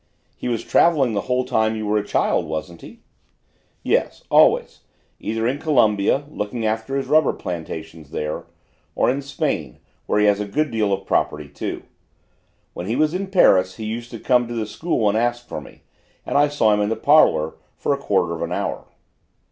"He was travelling the whole time you were a child, wasn't he?" "Yes, always: either in Colombia, looking after his rubber plantations there, or in Spain, where he has a good deal of property too. When he was in Paris he used to come to the school and ask for me, and I saw him in the parlour for a quarter of an hour."